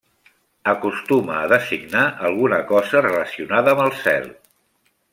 Acostuma a designar alguna cosa relacionada amb el cel.